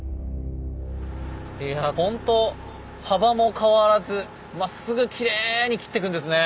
いやほんと幅も変わらずまっすぐきれいに切ってくんですね。